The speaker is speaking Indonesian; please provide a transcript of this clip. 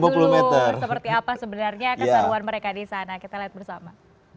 tapi kita lihat dulu seperti apa sebenarnya keseruan mereka di sana kita lihat bersama